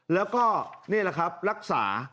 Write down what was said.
แล้วก็นี่แหละครับรักษา